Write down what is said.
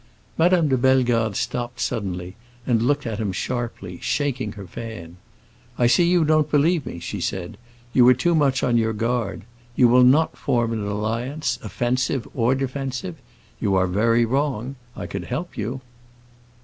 Madame de Bellegarde stopped suddenly, and looked at him sharply, shaking her fan. "I see you don't believe me," she said, "you are too much on your guard. You will not form an alliance, offensive or defensive? You are very wrong; I could help you."